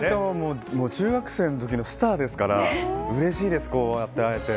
中学生の時のスターですからうれしいです、こうやって会えて。